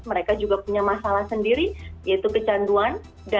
mereka juga punya masalah sendiri yaitu kecanduan